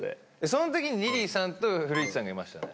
そのときにリリーさんと古市さんがいましたね。